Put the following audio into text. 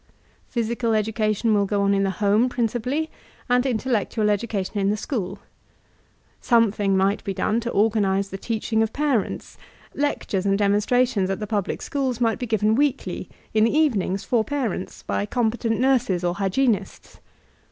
Physical education will go on in the home principally, and intel lectual education in the school Something might be done to organize the teaching of parents; lectures and demonstrations at the public schools might be given weekly, in the evenings, for parents, by competent nurses or hygienists.